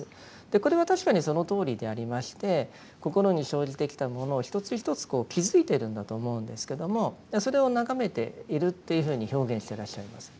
これは確かにそのとおりでありまして心に生じてきたものを一つ一つ気づいているんだと思うんですけどもそれを眺めているっていうふうに表現してらっしゃいます。